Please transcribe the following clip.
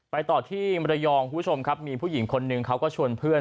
ต่อที่มรยองคุณผู้ชมครับมีผู้หญิงคนหนึ่งเขาก็ชวนเพื่อน